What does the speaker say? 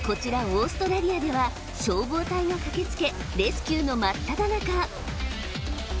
オーストラリアでは消防隊が駆けつけレスキューの真っただ中